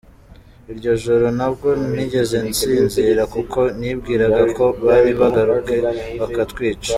Iryo joro ntabwo nigeze nsinzira kuko nibwiraga ko bari bugaruke bakatwica.